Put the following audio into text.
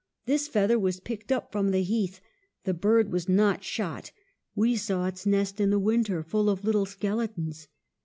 This feather was picked up from the heath, the bird was not shot : we saw its nest in the winter, full of little skeletons.